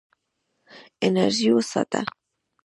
انرژي وساته.